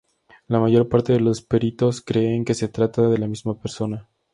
La mayor parte de los peritos creen que se trata de la misma persona.